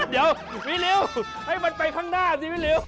เดี๋ยววิริวให้มันไปข้างหน้าสิวิริว